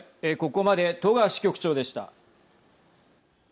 ここまで戸川支局長でした。